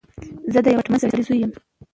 زه د یوه پتمن سړی زوی یم.